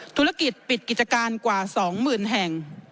ธุรกิจปิดกิจการกว่า๒๐๐๐แห่ง